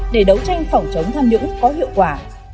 để đấu tranh phòng chống tham nhũng có hiệu quả